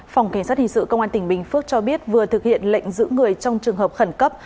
phòng kỳ sát hình sự công an tỉnh bình phước cho biết vừa thực hiện lệnh giữ người trong trường hợp khẩn cấp